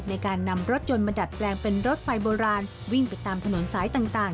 ในการนำรถยนต์มาดัดแปลงเป็นรถไฟโบราณวิ่งไปตามถนนสายต่าง